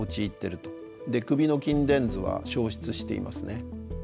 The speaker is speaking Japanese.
首の筋電図は消失していますね。